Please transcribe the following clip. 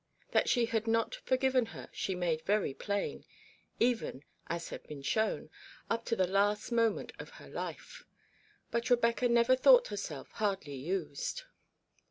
That she had not forgiven her she made very plain, even (as has been shown) up to the last moment of her life ; but Rebecca never thought herself hardly used.